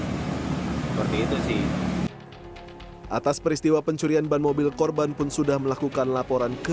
seperti itu sih atas peristiwa pencurian ban mobil korban pun sudah melakukan laporan ke